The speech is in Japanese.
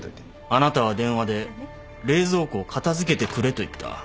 あなたは電話で冷蔵庫を片付けてくれと言った。